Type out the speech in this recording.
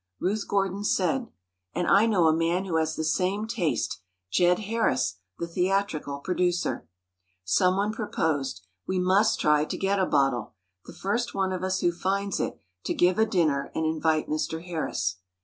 Ruth Gordon said: "And I know a man who has the same taste: Jed Harris, the theatrical producer." Someone proposed: "We must try to get a bottle. The first one of us who finds it, to give a dinner, and invite Mr. Harris."